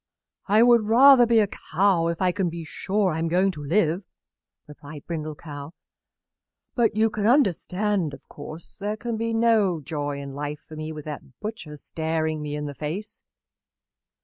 "I would rather be a cow if I can be sure I am going to live," replied Brindle Cow. "But you can understand, of course, there can be no joy in life for me with that butcher staring me in the face."